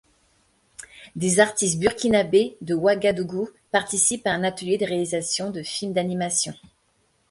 Des artistes burkinabés de Ouagadougou participent à un atelier de réalisation de film d’animation.